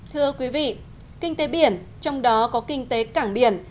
thưa quý vị kinh tế biển trong đó có kinh tế cảng biển